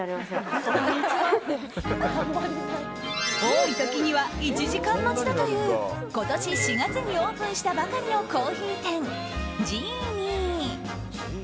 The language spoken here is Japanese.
多い時には１時間待ちだという今年４月にオープンしたばかりのコーヒー店、ジーニー。